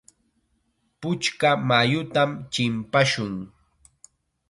Puchka mayutam chimpashun.